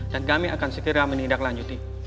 dan kami akan segera menindaklanjuti